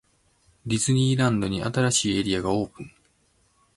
ディズニーランドに、新しいエリアがオープン!!